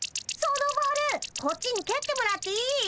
そのボールこっちにけってもらっていい？